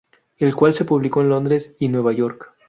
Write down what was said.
El cual se publicó en Londres y Nueva York.